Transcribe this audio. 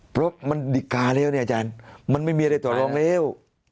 เพราะมันดิกาแล้วเนี่ยอาจารย์มันไม่มีอะไรต่อรองแล้ว